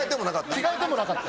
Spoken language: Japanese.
着替えてもなかった。